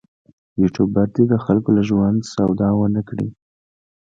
یوټوبر دې د خلکو له ژوند سودا ونه کړي.